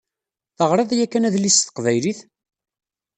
Teɣṛiḍ yakan adlis s teqbaylit?